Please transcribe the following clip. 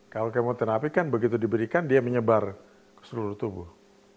kalau kemoterapi kan begitu diberikan dia menyebar ke seluruh tubuh